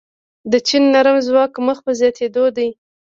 د چین نرم ځواک مخ په زیاتیدو دی.